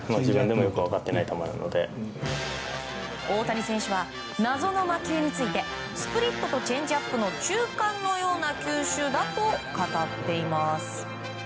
大谷選手は謎の魔球についてスプリットとチェンジアップの中間のような球種だと語っています。